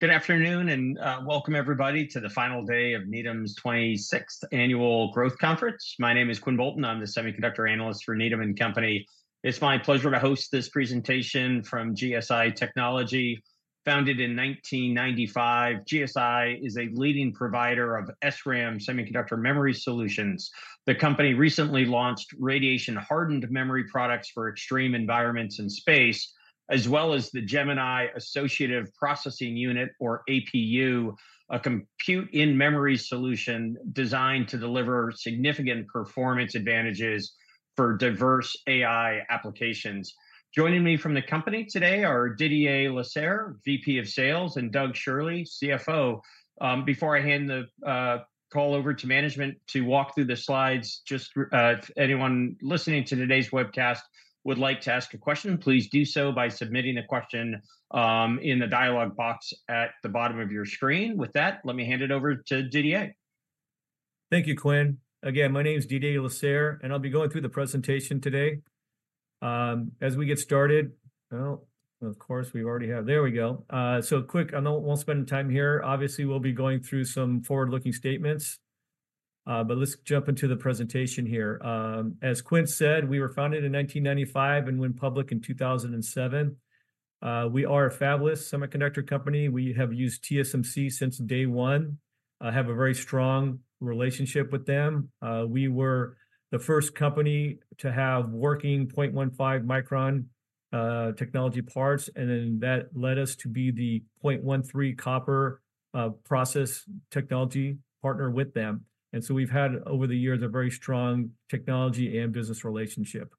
Good afternoon, and, welcome everybody to the final day of Needham's 26th Annual Growth Conference. My name is Quinn Bolton. I'm the semiconductor analyst for Needham & Company. It's my pleasure to host this presentation from GSI Technology. Founded in 1995, GSI is a leading provider of SRAM semiconductor memory solutions. The company recently launched radiation-hardened memory products for extreme environments in space, as well as the Gemini Associative Processing Unit or APU, a Compute-in-Memory solution designed to deliver significant performance advantages for diverse AI applications. Joining me from the company today are Didier Lasserre, VP of Sales, and Doug Schirle, CFO. Before I hand the call over to management to walk through the slides, just if anyone listening to today's webcast would like to ask a question, please do so by submitting a question in the dialogue box at the bottom of your screen. With that, let me hand it over to Didier. Thank you, Quinn. Again, my name is Didier Lasserre, and I'll be going through the presentation today. So quickly, I know we won't spend time here. Obviously, we'll be going through some forward-looking statements, but let's jump into the presentation here. As Quinn said, we were founded in 1995 and went public in 2007. We are a fabless semiconductor company. We have used TSMC since day one, have a very strong relationship with them. We were the first company to have working 0.15-micron technology parts, and then that led us to be the 0.13 copper process technology partner with them. And so we've had, over the years, a very strong technology and business relationship.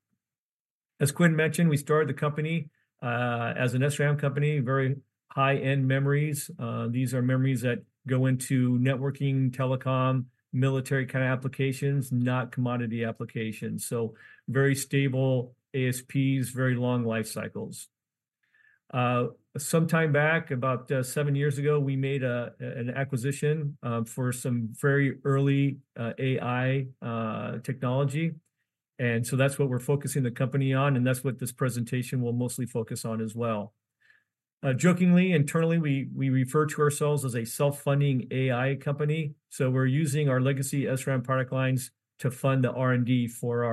As Quinn mentioned, we started the company as an SRAM company, very high-end memories. These are memories that go into networking, telecom, military kinda applications, not commodity applications. So very stable ASPs, very long life cycles. Sometime back, about seven years ago, we made an acquisition for some very early AI technology, and so that's what we're focusing the company on, and that's what this presentation will mostly focus on as well. Jokingly, internally, we refer to ourselves as a self-funding AI company, so we're using our legacy SRAM product lines to fund the R&D for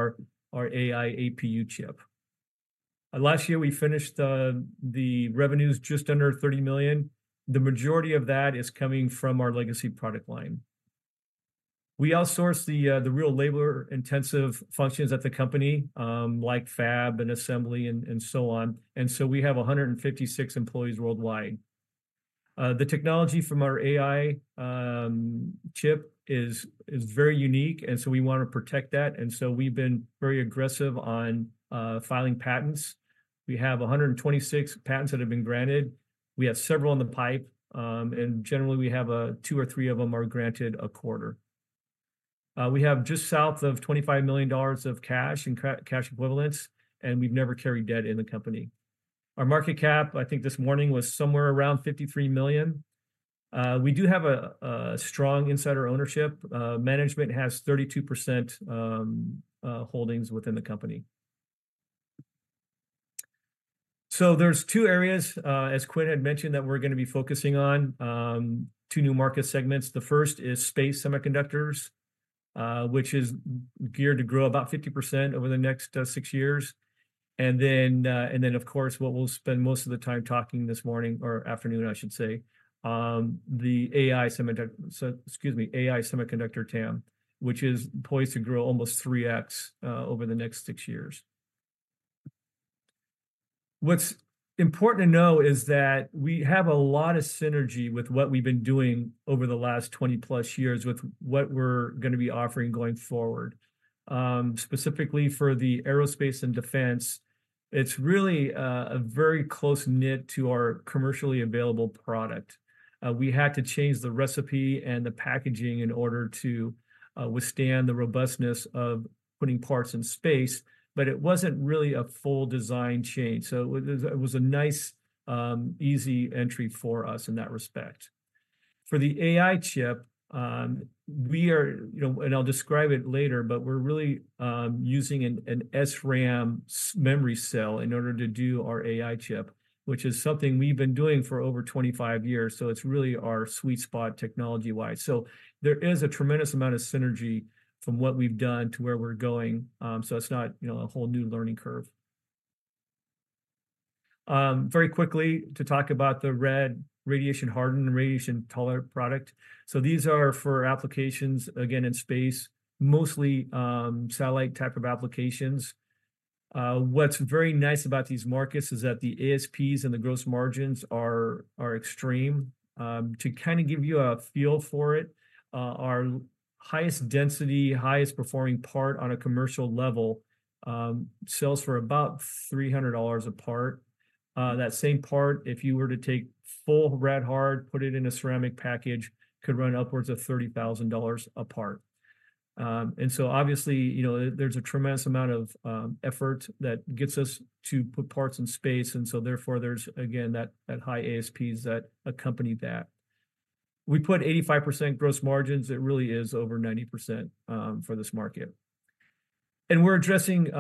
our AI APU chip. Last year, we finished the revenues just under $30 million. The majority of that is coming from our legacy product line. We outsource the real labor-intensive functions at the company, like fab and assembly, and so on, and so we have 156 employees worldwide. The technology from our AI chip is very unique, and so we want to protect that, and so we've been very aggressive on filing patents. We have 126 patents that have been granted. We have several in the pipe, and generally, we have two or three of them are granted a quarter. We have just south of $25 million of cash and cash equivalents, and we've never carried debt in the company. Our market cap, I think this morning, was somewhere around $53 million. We do have a strong insider ownership. Management has 32% holdings within the company. So there's two areas, as Quinn had mentioned, that we're gonna be focusing on, two new market segments. The first is space semiconductors, which is geared to grow about 50% over the next six years. And then, of course, what we'll spend most of the time talking this morning or afternoon, I should say, the AI semiconductor TAM, which is poised to grow almost 3x over the next six years. What's important to know is that we have a lot of synergy with what we've been doing over the last 20+ years with what we're gonna be offering going forward. Specifically for the aerospace and defense, it's really a very close-knit to our commercially available product. We had to change the recipe and the packaging in order to withstand the robustness of putting parts in space, but it wasn't really a full design change, so it was a nice easy entry for us in that respect. For the AI chip, we are, you know, and I'll describe it later, but we're really using an SRAM memory cell in order to do our AI chip, which is something we've been doing for over 25 years, so it's really our sweet spot technology-wise. So there is a tremendous amount of synergy from what we've done to where we're going. So it's not, you know, a whole new learning curve. Very quickly to talk about the rad, radiation-hardened, radiation-tolerant product. So these are for applications, again, in space, mostly, satellite type of applications. What's very nice about these markets is that the ASPs and the gross margins are extreme. To kinda give you a feel for it, our highest density, highest performing part on a commercial level sells for about $300 a part. That same part, if you were to take full Rad-Hard, put it in a ceramic package, could run upwards of $30,000 a part. And so obviously, you know, there's a tremendous amount of effort that gets us to put parts in space, and so therefore, there's, again, that high ASPs that accompany that. We put 85% gross margins. It really is over 90%, for this market. And we're addressing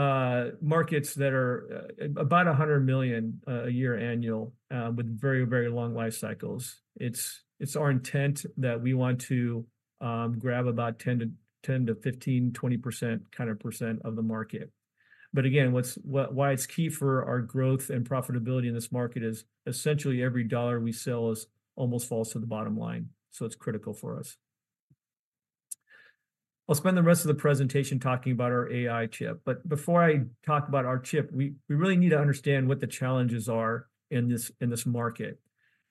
markets that are about $100 million a year annual, with very, very long life cycles. It's our intent that we want to grab about 10%-20% of the market. But again, what's why it's key for our growth and profitability in this market is essentially every dollar we sell almost falls to the bottom line, so it's critical for us. I'll spend the rest of the presentation talking about our AI chip, but before I talk about our chip, we really need to understand what the challenges are in this market.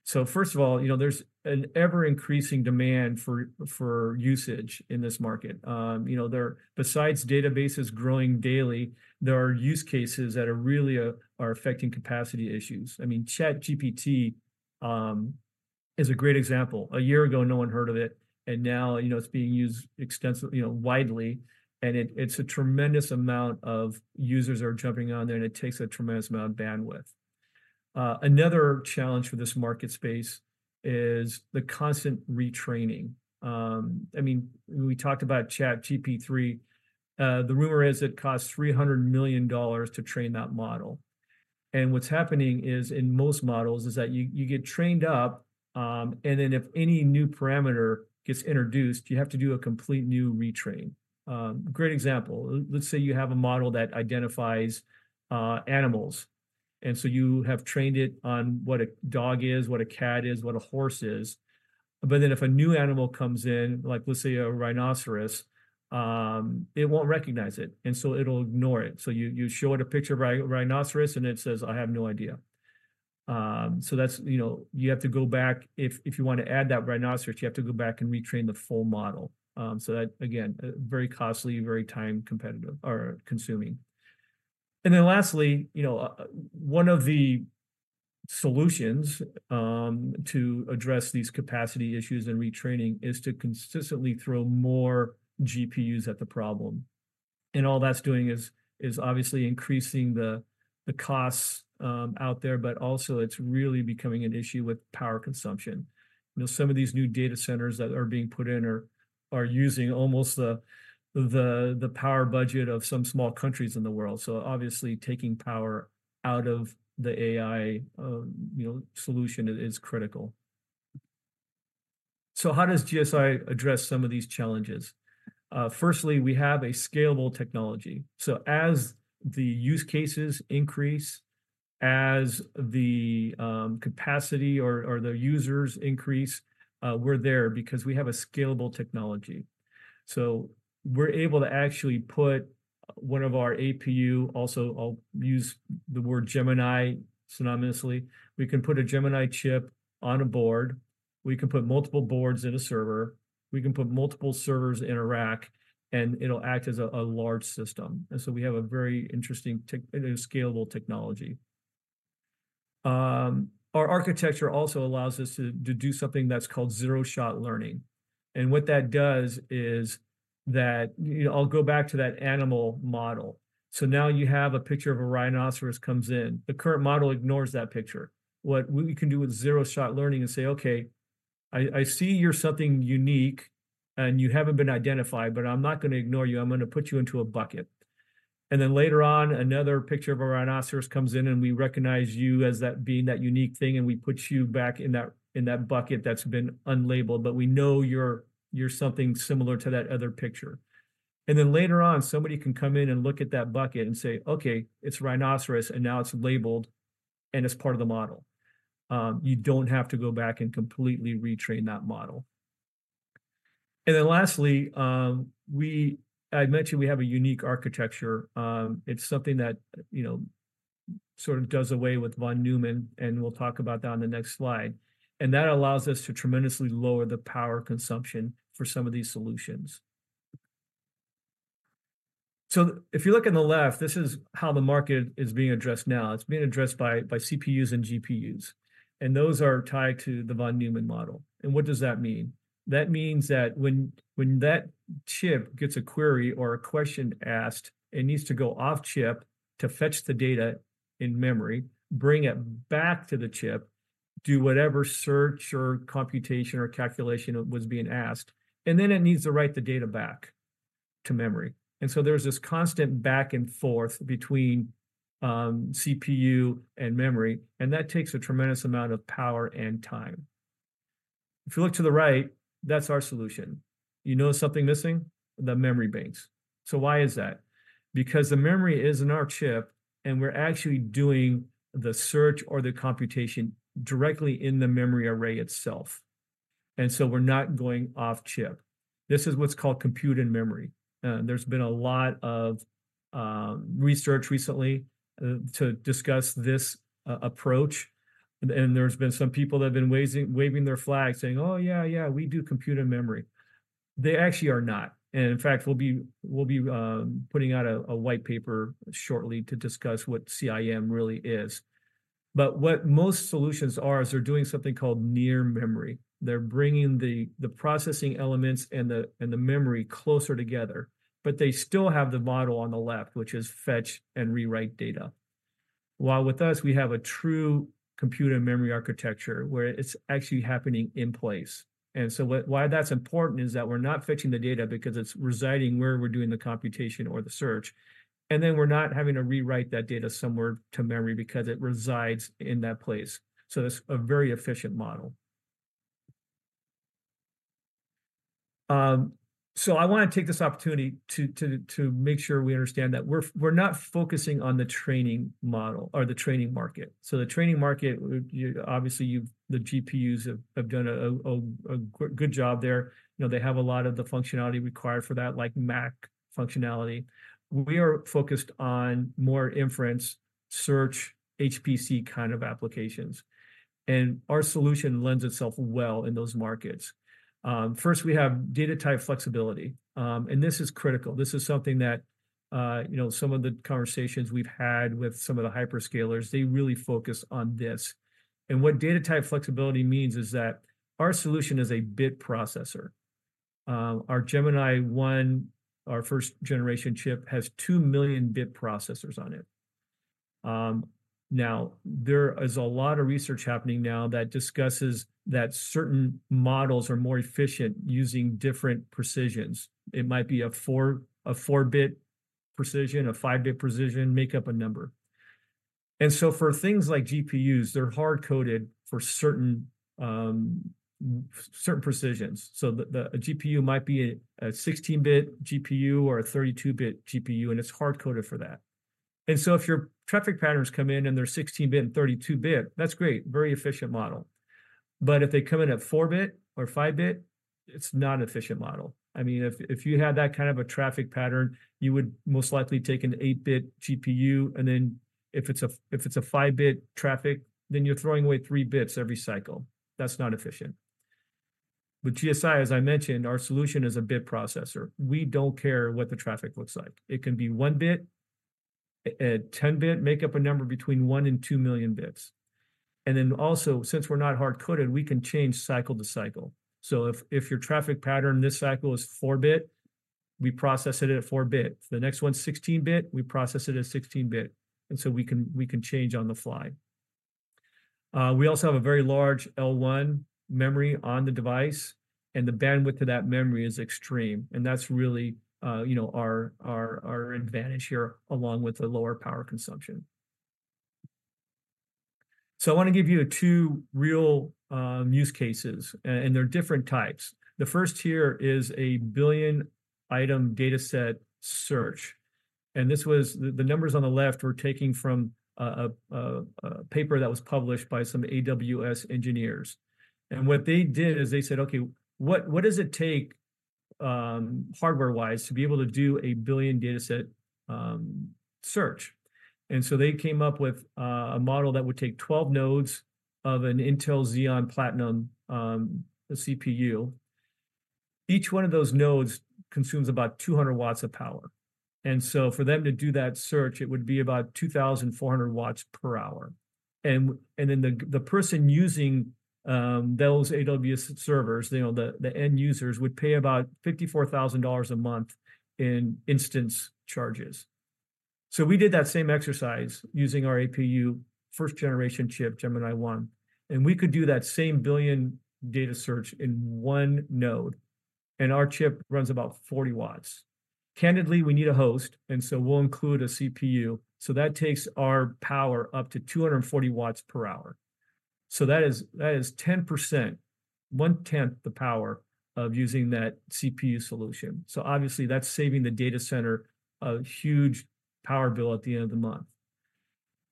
So first of all, you know, there's an ever-increasing demand for usage in this market. You know, there, besides databases growing daily, there are use cases that are really affecting capacity issues. I mean, ChatGPT is a great example. A year ago, no one heard of it, and now, you know, it's being used extensively, you know, widely, and it's a tremendous amount of users are jumping on there, and it takes a tremendous amount of bandwidth. Another challenge for this market space is the constant retraining. I mean, we talked about ChatGPT-3. The rumor is it costs $300 million to train that model. And what's happening is, in most models, is that you, you get trained up, and then if any new parameter gets introduced, you have to do a complete new retrain. Great example: let's say you have a model that identifies animals, and so you have trained it on what a dog is, what a cat is, what a horse is. But then if a new animal comes in, like, let's say a rhinoceros, it won't recognize it, and so it'll ignore it. So you show it a picture of a rhinoceros, and it says, "I have no idea." So that's, you know, you have to go back if you want to add that rhinoceros, you have to go back and retrain the full model. So that, again, very costly, very time competitive or consuming. And then lastly, you know, one of the solutions to address these capacity issues and retraining is to consistently throw more GPUs at the problem. And all that's doing is obviously increasing the costs out there, but also it's really becoming an issue with power consumption. You know, some of these new data centers that are being put in are using almost the power budget of some small countries in the world. So obviously, taking power out of the AI, you know, solution is critical. So how does GSI address some of these challenges? Firstly, we have a scalable technology, so as the use cases increase, as the capacity or the users increase, we're there because we have a scalable technology. So we're able to actually put one of our APU, also, I'll use the word Gemini synonymously. We can put a Gemini chip on a board, we can put multiple boards in a server, we can put multiple servers in a rack, and it'll act as a large system. And so we have a very interesting tech, scalable technology. Our architecture also allows us to do something that's called zero-shot learning, and what that does is that, you know, I'll go back to that animal model. So now you have a picture of a rhinoceros comes in. The current model ignores that picture. What we can do with zero-shot learning and say, "Okay, I see you're something unique, and you haven't been identified, but I'm not gonna ignore you. I'm gonna put you into a bucket." And then later on, another picture of a rhinoceros comes in, and we recognize you as that, being that unique thing, and we put you back in that bucket that's been unlabeled, but we know you're something similar to that other picture. And then later on, somebody can come in and look at that bucket and say, "Okay, it's rhinoceros, and now it's labeled, and it's part of the model." You don't have to go back and completely retrain that model. And then lastly, I mentioned we have a unique architecture. It's something that, you know, sort of does away with von Neumann, and we'll talk about that on the next slide. And that allows us to tremendously lower the power consumption for some of these solutions. So if you look on the left, this is how the market is being addressed now. It's being addressed by, by CPUs and GPUs, and those are tied to the von Neumann model. And what does that mean? That means that when that chip gets a query or a question asked, it needs to go off chip to fetch the data in memory, bring it back to the chip, do whatever search or computation or calculation it was being asked, and then it needs to write the data back to memory. And so there's this constant back and forth between CPU and memory, and that takes a tremendous amount of power and time. If you look to the right, that's our solution. You notice something missing? The memory banks. So why is that? Because the memory is in our chip, and we're actually doing the search or the computation directly in the memory array itself, and so we're not going off chip. This is what's called Compute-in-Memory. There's been a lot of research recently to discuss this approach, and there's been some people that have been waving their flags saying, "Oh, yeah, yeah, we do Compute-in-Memory." They actually are not, and in fact, we'll be putting out a white paper shortly to discuss what CIM really is. But what most solutions are is they're doing something called near memory. They're bringing the processing elements and the memory closer together, but they still have the model on the left, which is fetch and rewrite data, while with us, we have a true Compute-in-Memory architecture, where it's actually happening in place. Why that's important is that we're not fetching the data because it's residing where we're doing the computation or the search, and then we're not having to rewrite that data somewhere to memory because it resides in that place. So it's a very efficient model. So I want to take this opportunity to make sure we understand that we're not focusing on the training model or the training market. So the training market, you obviously, the GPUs have done a good job there. You know, they have a lot of the functionality required for that, like MAC functionality. We are focused on more inference, search, HPC kind of applications, and our solution lends itself well in those markets. First, we have data type flexibility. And this is critical. This is something that, you know, some of the conversations we've had with some of the hyperscalers, they really focus on this. And what data type flexibility means is that our solution is a bit processor. Our Gemini-I, our first generation chip, has 2 million bit processors on it. Now, there is a lot of research happening now that discusses that certain models are more efficient using different precisions. It might be a 4-bit precision, a 5-bit precision, make up a number. And so for things like GPUs, they're hard-coded for certain precisions. So a GPU might be a 16-bit GPU or a 32-bit GPU, and it's hard-coded for that. And so if your traffic patterns come in and they're 16-bit and 32-bit, that's great, very efficient model. But if they come in at 4-bit or 5-bit, it's not an efficient model. I mean, if, if you had that kind of a traffic pattern, you would most likely take an 8-bit GPU, and then if it's a-- if it's a 5-bit traffic, then you're throwing away 3 bits every cycle. That's not efficient. With GSI, as I mentioned, our solution is a bit processor. We don't care what the traffic looks like. It can be 1 bit, a, a 10-bit, make up a number between 1 and 2 million bits. And then also, since we're not hard-coded, we can change cycle to cycle. So if, if your traffic pattern this cycle is 4-bit, we process it at 4-bit. If the next one's 16-bit, we process it at 16-bit, and so we can, we can change on the fly. We also have a very large L1 memory on the device, and the bandwidth to that memory is extreme, and that's really, you know, our advantage here, along with the lower power consumption. So I wanna give you two real use cases, and they're different types. The first here is a 1 billion item dataset search, and this was. The numbers on the left were taken from a paper that was published by some AWS engineers. And what they did is they said, "Okay, what does it take, hardware-wise, to be able to do a 1 billion dataset search?" And so they came up with a model that would take 12 nodes of an Intel Xeon Platinum CPU. Each one of those nodes consumes about 200 watts of power, and so for them to do that search, it would be about 2,400 watts per hour. And then the person using those AWS servers, you know, the end users would pay about $54,000 a month in instance charges. So we did that same exercise using our APU first generation chip, Gemini-I, and we could do that same 1 billion data search in one node, and our chip runs about 40 watts. Candidly, we need a host, and so we'll include a CPU, so that takes our power up to 240 watts per hour. So that is 10%, one-tenth the power of using that CPU solution. So obviously, that's saving the data center a huge power bill at the end of the month.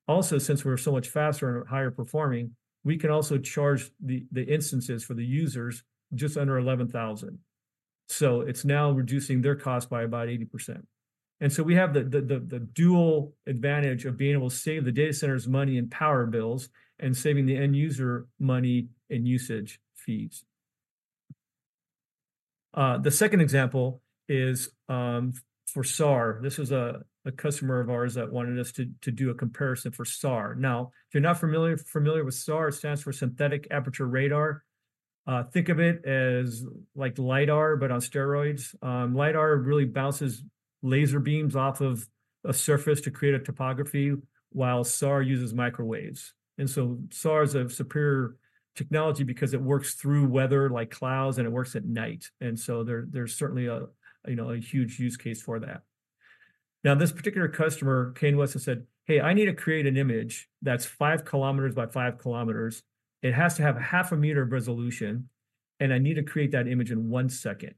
Also, since we're so much faster and higher performing, we can also charge the instances for the users just under $11,000. So it's now reducing their cost by about 80%. And so we have the dual advantage of being able to save the data centers money and power bills, and saving the end user money and usage fees. The second example is for SAR. This is a customer of ours that wanted us to do a comparison for SAR. Now, if you're not familiar with SAR, it stands for Synthetic Aperture Radar. Think of it as like LiDAR, but on steroids. LiDAR really bounces laser beams off of a surface to create a topography, while SAR uses microwaves. SAR is a superior technology because it works through weather like clouds, and it works at night, and so there, there's certainly a, you know, a huge use case for that. Now, this particular customer came to us and said, "Hey, I need to create an image that's 5 km by 5 km. It has to have half a meter of resolution, and I need to create that image in 1 second.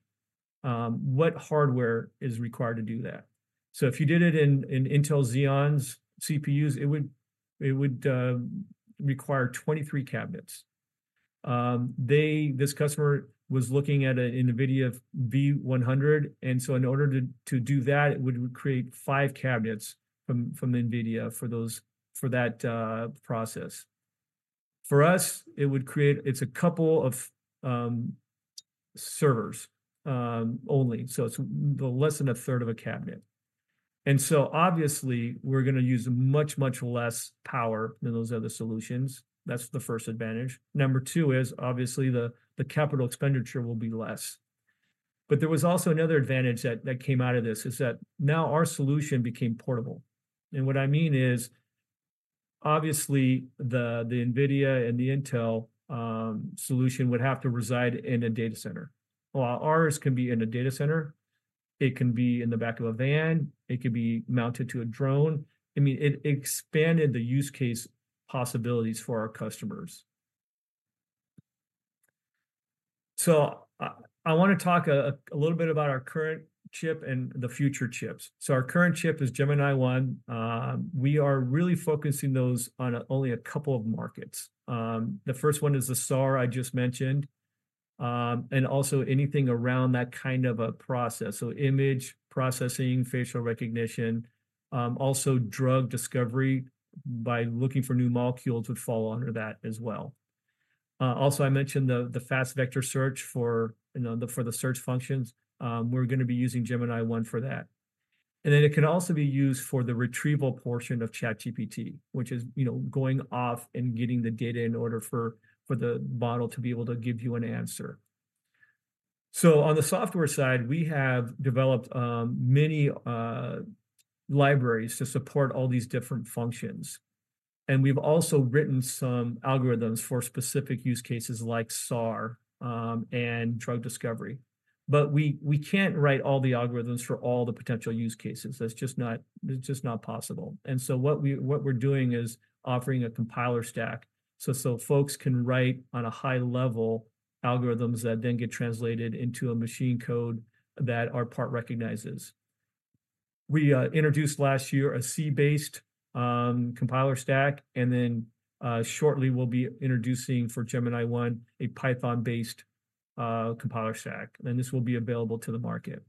What hardware is required to do that?" So if you did it in Intel Xeon CPUs, it would require 23 cabinets. This customer was looking at a NVIDIA V100, and so in order to do that, it would create five cabinets from NVIDIA for that process. For us, it would create—it's a couple of servers only, so it's less than a third of a cabinet. So obviously, we're gonna use much, much less power than those other solutions. That's the first advantage. Number two is obviously the capital expenditure will be less. But there was also another advantage that came out of this, is that now our solution became portable. And what I mean is, obviously, the NVIDIA and the Intel solution would have to reside in a data center, while ours can be in a data center, it can be in the back of a van, it could be mounted to a drone. I mean, it expanded the use case possibilities for our customers. So I wanna talk a little bit about our current chip and the future chips. So our current chip is Gemini-I. We are really focusing those on only a couple of markets. The first one is the SAR I just mentioned, and also anything around that kind of a process. So image processing, facial recognition, also drug discovery by looking for new molecules would fall under that as well. Also, I mentioned the, the fast vector search for, you know, the, for the search functions. We're gonna be using Gemini-I for that. And then it can also be used for the retrieval portion of ChatGPT, which is, you know, going off and getting the data in order for, for the model to be able to give you an answer. So on the software side, we have developed many libraries to support all these different functions, and we've also written some algorithms for specific use cases like SAR and drug discovery. But we can't write all the algorithms for all the potential use cases. That's just not, it's just not possible. So what we're doing is offering a compiler stack so folks can write on a high level algorithms that then get translated into a machine code that our part recognizes. We introduced last year a C-based compiler stack, and then shortly we'll be introducing for Gemini-I a Python-based compiler stack, and this will be available to the market.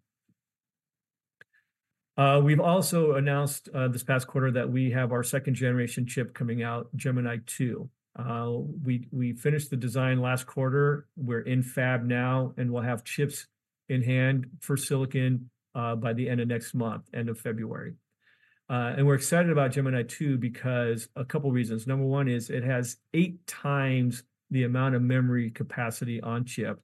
We've also announced this past quarter that we have our second generation chip coming out, Gemini-II. We finished the design last quarter. We're in fab now, and we'll have chips in hand for silicon by the end of next month, end of February. We're excited about Gemini-II because a couple reasons. Number one is it has 8x the amount of memory capacity on chip,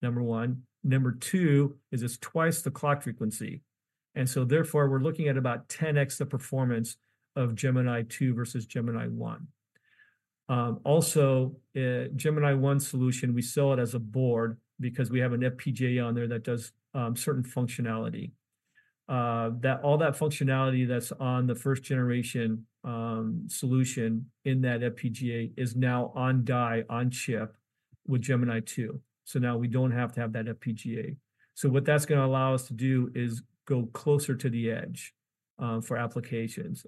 number one. Number two is it's 2x the clock frequency, and so therefore, we're looking at about 10x performance of Gemini-II versus Gemini-I. Also, Gemini-I solution, we sell it as a board because we have an FPGA on there that does certain functionality. All that functionality that's on the first generation solution in that FPGA is now on die, on chip with Gemini-II, so now we don't have to have that FPGA. So what that's gonna allow us to do is go closer to the edge for applications.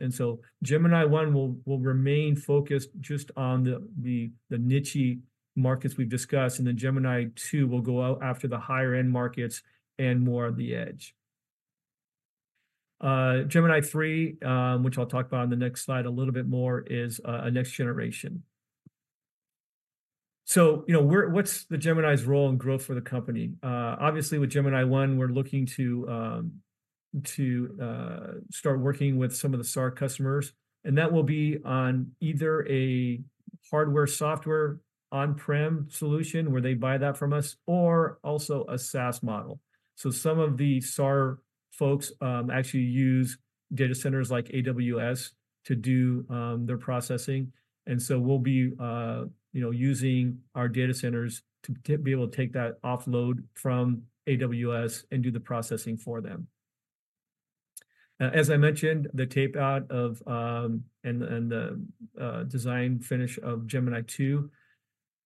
Gemini-I will remain focused just on the niche-y markets we've discussed, and then Gemini-II will go out after the higher end markets and more of the edge. Gemini-III, which I'll talk about on the next slide a little bit more, is a next generation. You know, what's the Gemini's role in growth for the company? Obviously, with Gemini-I, we're looking to start working with some of the SAR customers, and that will be on either a hardware, software, on-prem solution, where they buy that from us, or also a SaaS model. Some of the SAR folks actually use data centers like AWS to do their processing. And so we'll be, you know, using our data centers to be able to take that offload from AWS and do the processing for them. As I mentioned, the tape-out and the design finish of Gemini-II.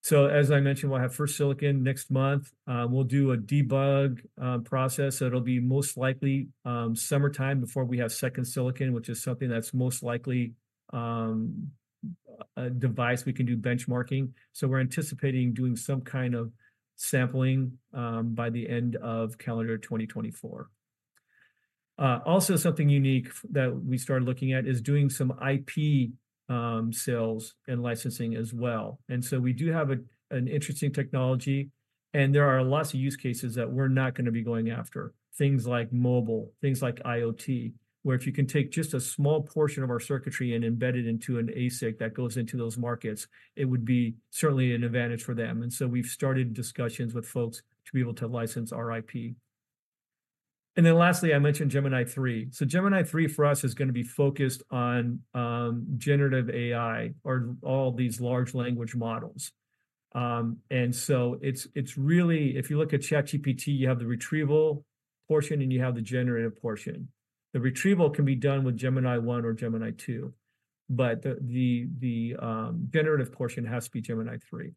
So as I mentioned, we'll have first silicon next month. We'll do a debug process, so it'll be most likely summertime before we have second silicon, which is something that's most likely a device we can do benchmarking. So we're anticipating doing some kind of sampling by the end of calendar 2024. Also something unique that we started looking at is doing some IP sales and licensing as well. And so we do have an interesting technology, and there are lots of use cases that we're not gonna be going after. Things like mobile, things like IoT, where if you can take just a small portion of our circuitry and embed it into an ASIC that goes into those markets, it would be certainly an advantage for them. And so we've started discussions with folks to be able to license our IP. And then lastly, I mentioned Gemini-III. So Gemini-III for us is gonna be focused on generative AI or all these large language models. And so it's really, if you look at ChatGPT, you have the retrieval portion, and you have the generative portion. The retrieval can be done with Gemini-I or Gemini-II, but the generative portion has to be Gemini-III.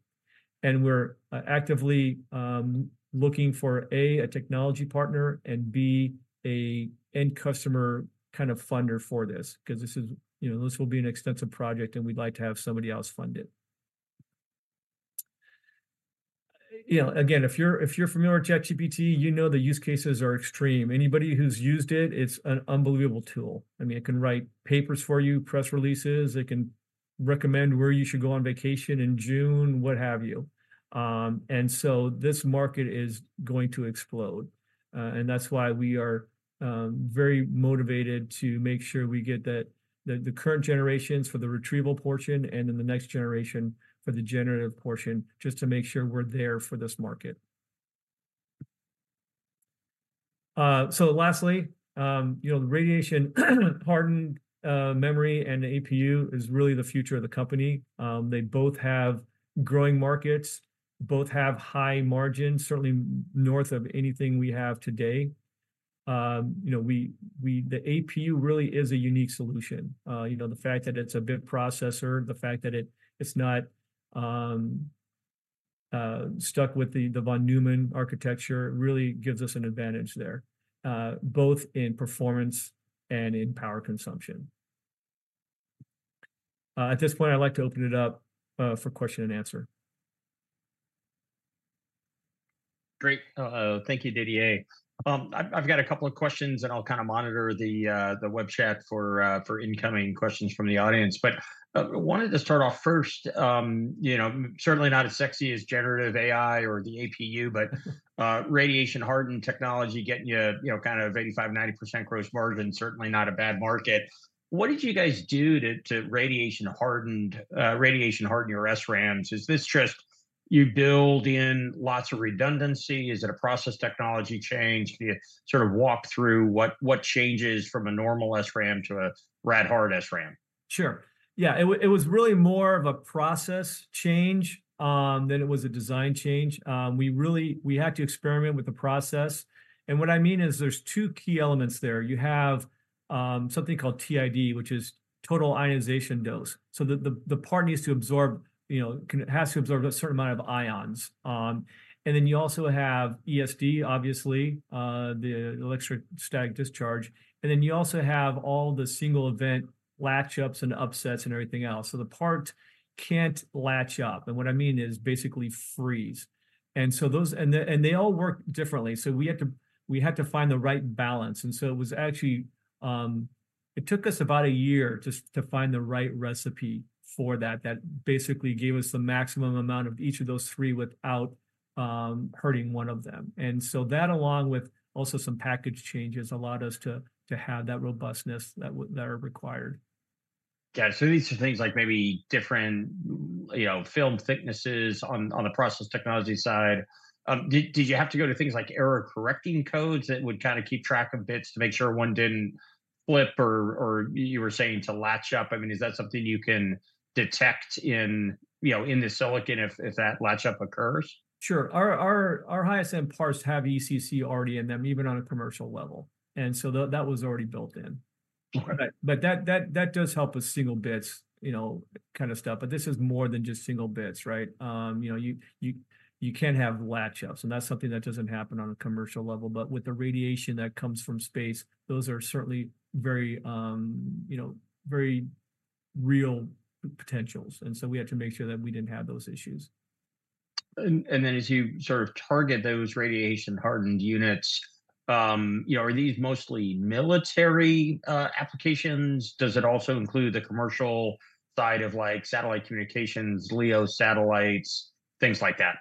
We're actively looking for A, a technology partner, and B, an end customer kind of funder for this, 'cause this is, you know, this will be an extensive project, and we'd like to have somebody else fund it. You know, again, if you're familiar with ChatGPT, you know the use cases are extreme. Anybody who's used it, it's an unbelievable tool. I mean, it can write papers for you, press releases, it can recommend where you should go on vacation in June, what have you. And so this market is going to explode, and that's why we are very motivated to make sure we get the current generations for the retrieval portion and then the next generation for the generative portion, just to make sure we're there for this market. So lastly, you know, the radiation-hardened memory and the APU is really the future of the company. They both have growing markets, both have high margins, certainly north of anything we have today. You know, the APU really is a unique solution. You know, the fact that it's a bit processor, the fact that it's not stuck with the von Neumann architecture, really gives us an advantage there, both in performance and in power consumption. At this point, I'd like to open it up for question and answer. Great. Thank you, Didier. I've got a couple of questions, and I'll kind of monitor the web chat for incoming questions from the audience. But wanted to start off first, you know, certainly not as sexy as generative AI or the APU... but radiation-hardened technology getting you, you know, kind of 85%-90% gross margin, certainly not a bad market. What did you guys do to radiation-harden your SRAMs? Is this just you build in lots of redundancy? Is it a process technology change? Can you sort of walk through what changes from a normal SRAM to a Rad-Hard SRAM? Sure. Yeah, it was really more of a process change than it was a design change. We really had to experiment with the process, and what I mean is there's two key elements there. You have something called TID, which is Total Ionizing Dose. So the part needs to absorb, you know, it has to absorb a certain amount of ions. And then you also have ESD, obviously, the Electrostatic Discharge, and then you also have all the Single Event Latch-ups and upsets and everything else. So the part can't latch up, and what I mean is basically freeze. And so those and they all work differently, so we had to find the right balance. And so it was actually. It took us about a year to find the right recipe for that, that basically gave us the maximum amount of each of those three without hurting one of them. And so that, along with also some package changes, allowed us to have that robustness that are required. Yeah. So these are things like maybe different, you know, film thicknesses on, on the process technology side. Did you have to go to things like error-correcting codes that would kind of keep track of bits to make sure one didn't flip or you were saying to latch up? I mean, is that something you can detect in, you know, in the silicon if that latch up occurs? Sure. Our highest-end parts have ECC already in them, even on a commercial level, and so that was already built in. Okay. But that does help with single bits, you know, kind of stuff. But this is more than just single bits, right? You know, you can't have latch-ups, and that's something that doesn't happen on a commercial level. But with the radiation that comes from space, those are certainly very, you know, very real potentials, and so we had to make sure that we didn't have those issues. And then as you sort of target those radiation-hardened units, you know, are these mostly military, applications? Does it also include the commercial side of, like, satellite communications, LEO satellites, things like that?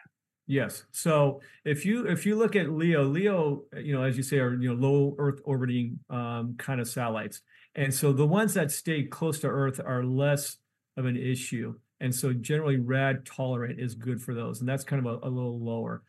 Yes. So if you, if you look at LEO, LEO, you know, as you say, are, you know, low Earth-orbiting, kind of satellites. And so the ones that stay close to Earth are less of an issue, and so generally, Rad-Tolerant is good for those, and that's kind of a little lower.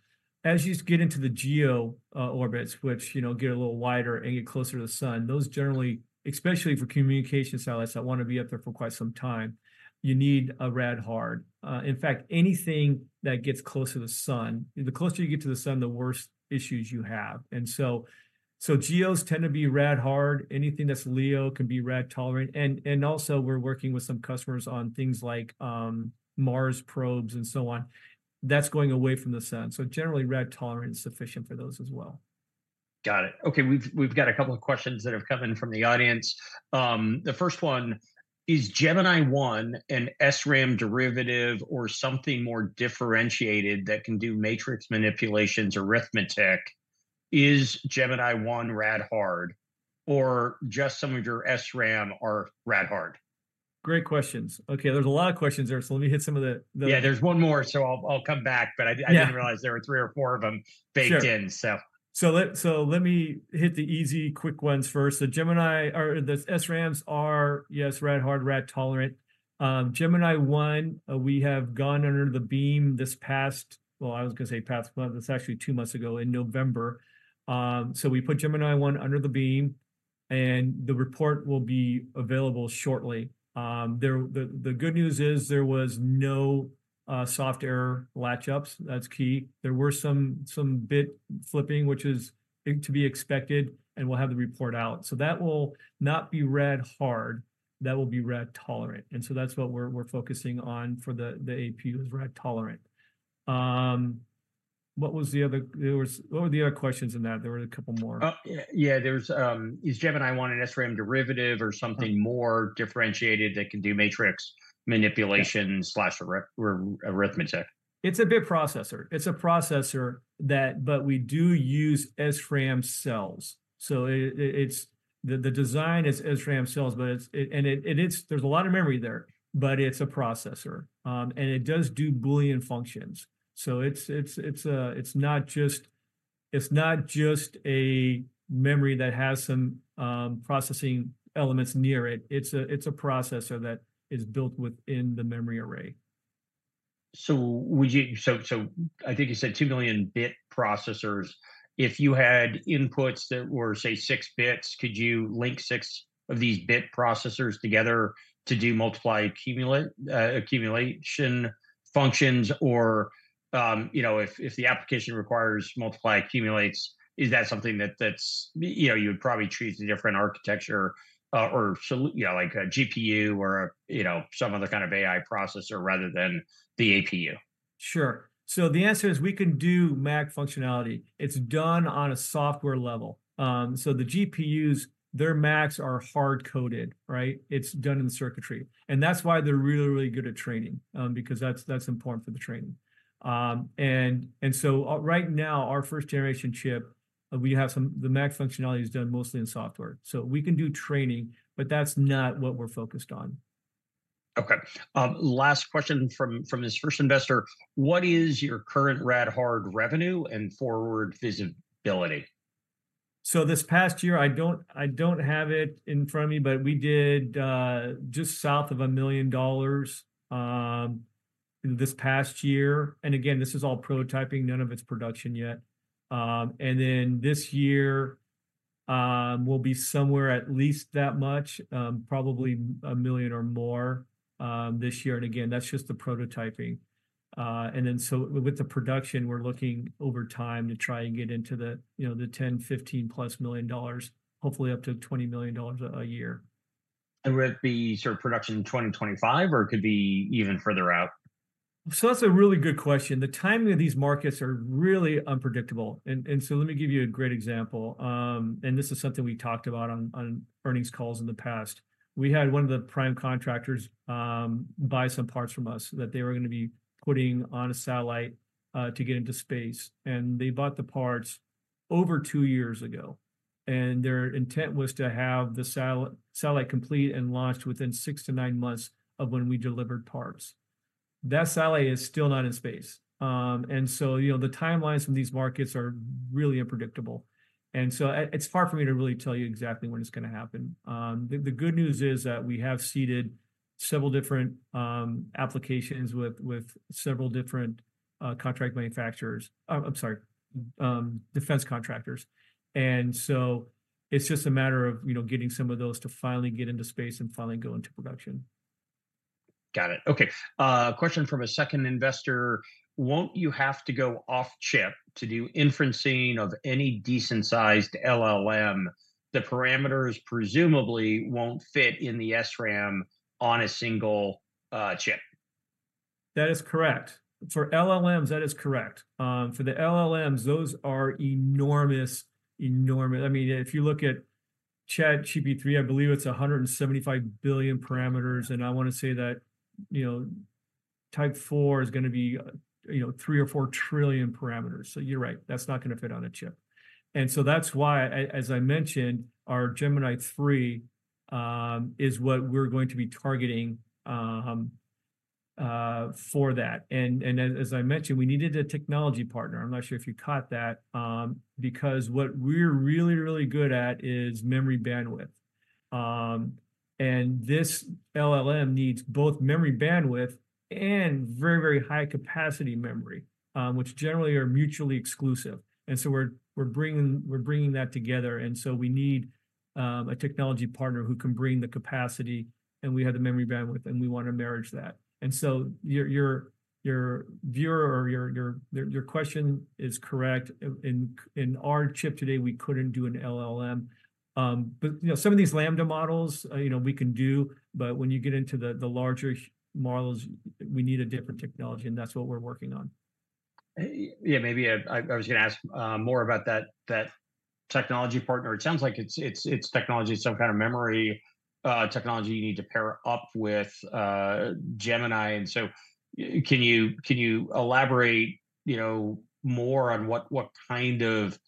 As you get into the GEO, orbits, which, you know, get a little wider and get closer to the sun, those generally, especially for communication satellites, that want to be up there for quite some time, you need a Rad-Hard. In fact, anything that gets close to the sun, the closer you get to the sun, the worse issues you have. And so, so GEOs tend to be Rad-Hard. Anything that's LEO can be Rad-Tolerant, and also we're working with some customers on things like Mars probes and so on. That's going away from the sun, so generally, Rad-Tolerant is sufficient for those as well. Got it. Okay, we've got a couple of questions that have come in from the audience. The first one: Is Gemini-I an SRAM derivative or something more differentiated that can do matrix manipulations, arithmetic? Is Gemini-I Rad-Hard or just some of your SRAM are Rad-Hard? Great questions. Okay, there's a lot of questions there, so let me hit some of the Yeah, there's one more, so I'll come back, but I-didn't realize there were three or four of them baked in. Sure. So. So let me hit the easy, quick ones first. The Gemini or the SRAMs are, yes, Rad-Hard, Rad-Tolerant. Gemini-I, we have gone under the beam this past... Well, I was gonna say past month. It's actually two months ago in November. So we put Gemini-I under the beam, and the report will be available shortly. The good news is there was no soft error latch ups. That's key. There were some bit flipping, which is to be expected, and we'll have the report out. So that will not be Rad-Hard, that will be Rad-Tolerant, and so that's what we're focusing on for the APU, is Rad-Tolerant. What was the other? There was—what were the other questions in that? There were a couple more. Is Gemini-I an SRAM derivative or something more differentiated that can do matrix manipulation or arithmetic? It's a bit processor. It's a processor that, but we do use SRAM cells. So the design is SRAM cells, but it's and it is there's a lot of memory there, but it's a processor. And it does do Boolean functions, so it's not just a memory that has some processing elements near it. It's a processor that is built within the memory array. So, I think you said 2 million bit processors. If you had inputs that were, say, 6 bits, could you link 6 of these bit processors together to do multiply accumulate, accumulation functions, or, you know, if the application requires multiply accumulates, is that something that that's, you know, you'd probably choose a different architecture, or you know, like a GPU or, you know, some other kind of AI processor rather than the APU? Sure. So the answer is we can do MAC functionality. It's done on a software level. So the GPUs, their MACs are hard-coded, right? It's done in the circuitry, and that's why they're really, really good at training, because that's important for the training. Right now, our first-generation chip, the MAC functionality is done mostly in software. So we can do training, but that's not what we're focused on. Okay. Last question from this first investor: What is your current Rad-Hard revenue and forward visibility? So this past year, I don't have it in front of me, but we did just south of $1 million this past year. And again, this is all prototyping, none of it's production yet. And then this year will be somewhere at least that much, probably $1 million or more this year, and again, that's just the prototyping. And then with the production, we're looking over time to try and get into the, you know, the $10 million-$15+ million, hopefully up to $20 million a year. Would it be sort of production in 2025, or it could be even further out? So that's a really good question. The timing of these markets are really unpredictable, and so let me give you a great example. And this is something we talked about on earnings calls in the past. We had one of the prime contractors buy some parts from us that they were gonna be putting on a satellite to get into space, and they bought the parts over two years ago, and their intent was to have the satellite complete and launched within six to nine months of when we delivered parts. That satellite is still not in space. And so, you know, the timelines in these markets are really unpredictable, and so it's far from me to really tell you exactly when it's gonna happen. The good news is that we have seeded several different applications with several different contract manufacturers, defense contractors. And so it's just a matter of, you know, getting some of those to finally get into space and finally go into production. Got it. Okay, question from a second investor: Won't you have to go off chip to do inferencing of any decent-sized LLM? The parameters presumably won't fit in the SRAM on a single chip. That is correct. For LLMs, that is correct. For the LLMs, those are enormous, enormous. I mean, if you look at ChatGPT-3, I believe it's 175 billion parameters, and I want to say that, you know, GPT-4 is gonna be, you know, 3 or 4 trillion parameters. So you're right, that's not gonna fit on a chip. And so that's why, as I mentioned, our Gemini-III is what we're going to be targeting for that. And, as I mentioned, we needed a technology partner, I'm not sure if you caught that, because what we're really, really good at is memory bandwidth. And this LLM needs both memory bandwidth and very, very high-capacity memory, which generally are mutually exclusive. And so we're bringing that together, and so we need a technology partner who can bring the capacity, and we have the memory bandwidth, and we want to marry that. And so your viewer or your question is correct. In our chip today, we couldn't do an LLM. But, you know, some of these Llama models, you know, we can do, but when you get into the larger models, we need a different technology, and that's what we're working on. Yeah, maybe I was gonna ask more about that technology partner. It sounds like it's, it's, it's technology, some kind of memory technology you need to pair up with Gemini. And so, can you elaborate, you know, more on what kind of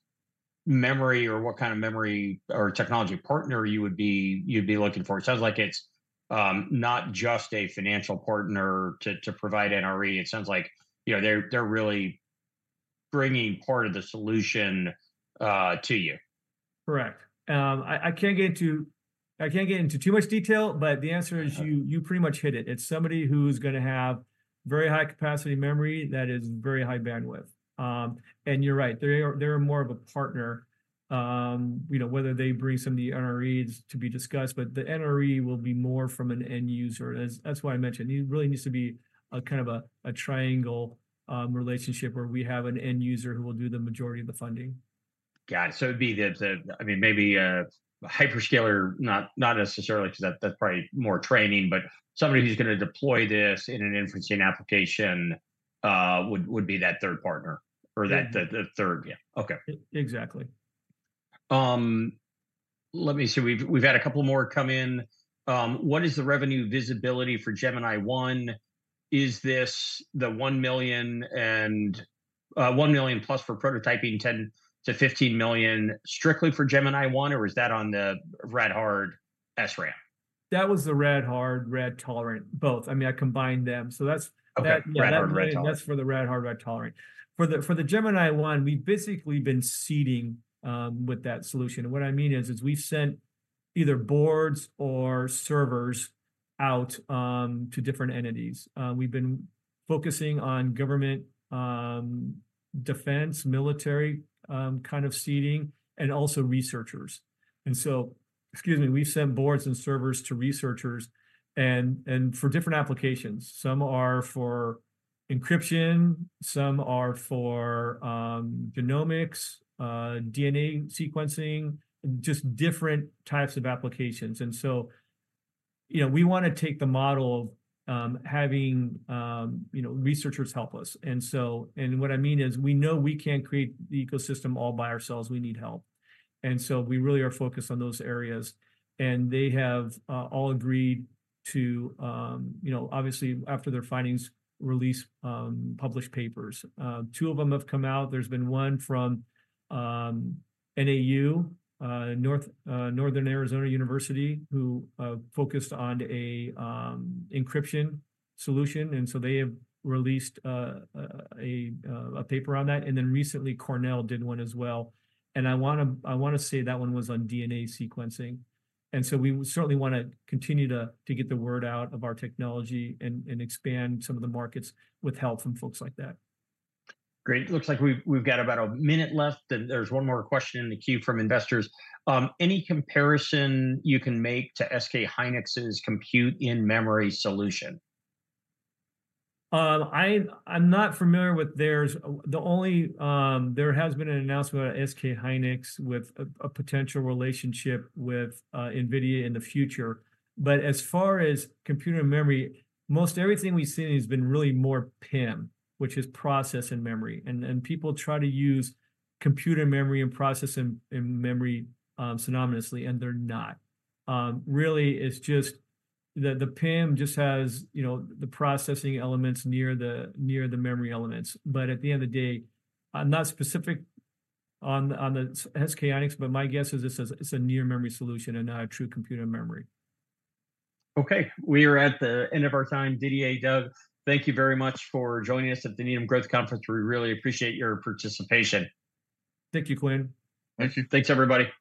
memory or what kind of memory or technology partner you would be you'd be looking for? It sounds like it's not just a financial partner to provide NRE. It sounds like, you know, they're really bringing part of the solution to you. Correct. I can't get into too much detail, but the answer is you, you pretty much hit it. It's somebody who's gonna have very high-capacity memory that is very high bandwidth. And you're right, they are, they are more of a partner. You know, whether they bring some of the NREs to be discussed, but the NRE will be more from an end user. That's why I mentioned, it really needs to be a kind of a triangle relationship, where we have an end user who will do the majority of the funding. Got it. So it would be the, I mean, maybe a hyperscaler, not necessarily, 'cause that's probably more training, but somebody who's gonna deploy this in an inferencing application, would be that third partner, or that the third. Yeah. Okay. Exactly. Let me see. We've had a couple more come in. What is the revenue visibility for Gemini-I? Is this the $1 million+ for prototyping, $10 million-$15 million strictly for Gemini-I, or is that on the Rad-Hard SRAM? That was the Rad-Hard, Rad-Tolerant, both. I mean, I combined them, so that's- Okay, Rad-Hard, Rad-Tolerant. That's for the Rad-Hard, Rad-Tolerant. For the Gemini-I, we've basically been seeding with that solution. And what I mean is, we've sent either boards or servers out to different entities. We've been focusing on government, defense, military, kind of seeding, and also researchers. And so, excuse me, we've sent boards and servers to researchers and for different applications. Some are for encryption, some are for genomics, DNA sequencing, just different types of applications. And so, you know, we wanna take the model of having, you know, researchers help us. And so, and what I mean is, we know we can't create the ecosystem all by ourselves, we need help, and so we really are focused on those areas. And they have all agreed to, you know, obviously, after their findings, release, publish papers. Two of them have come out. There's been one from NAU, Northern Arizona University, who focused on a encryption solution, and so they have released a paper on that, and then recently Cornell did one as well, and I wanna, I wanna say that one was on DNA sequencing. And so we certainly wanna continue to, to get the word out of our technology and, and expand some of the markets with help from folks like that. Great. It looks like we've got about a minute left, then there's one more question in the queue from investors. Any comparison you can make to SK Hynix's Compute-in-Memory solution? I'm not familiar with theirs. The only, there has been an announcement about SK Hynix with a potential relationship with NVIDIA in the future, but as far as Compute-in-Memory, most everything we've seen has been really more PIM, which is Processing-in-Memory. And people try to use Compute-in-Memory and Processing-in-Memory synonymously, and they're not. Really it's just the PIM just has, you know, the processing elements near the memory elements. But at the end of the day, I'm not specific on the SK Hynix, but my guess is it's a near memory solution and not a true Compute-in-Memory. Okay, we are at the end of our time. Didier, Doug, thank you very much for joining us at the Needham Growth Conference. We really appreciate your participation. Thank you, Quinn. Thank you. Thanks, everybody.